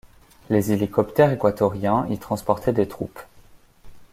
Les hélicoptères équatoriens y transportaient des troupes.